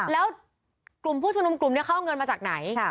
แล้วกลุ่มผู้ชุมนุมกลุ่มนี้เขาเอาเงินมาจากไหน